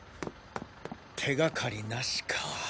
手掛かりなしか。